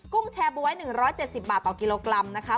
ุ้งแชร์บ๊วย๑๗๐บาทต่อกิโลกรัมนะคะ